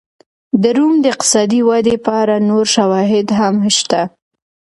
د روم د اقتصادي ودې په اړه نور شواهد هم شته.